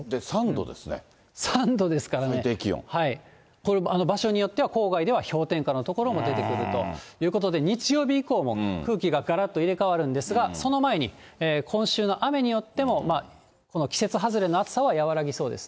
これ、場所によっては郊外では氷点下の所も出てくるということで、日曜日以降も空気ががらっと入れ替わるんですが、その前に、今週の雨によっても、この季節外れの暑さは和らぎそうですね。